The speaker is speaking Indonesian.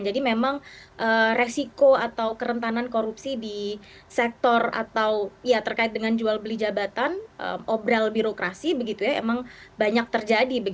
jadi memang resiko atau kerentanan korupsi di sektor atau terkait dengan jual beli jabatan obral birokrasi memang banyak terjadi